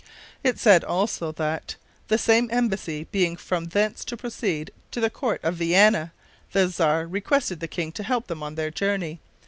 It said also that "the same embassy being from thence to proceed to the court of Vienna, the Czar requested the king to help them on their journey."